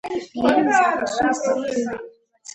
Левин Взял косу и стал примериваться.